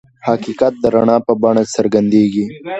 حقیقت د رڼا په بڼه څرګندېږي.